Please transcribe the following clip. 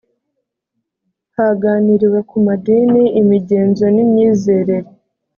haganiriwe ku madini imigenzo n imyizerere